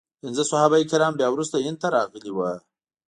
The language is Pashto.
پنځه صحابه کرام بیا وروسته هند ته راغلي وو.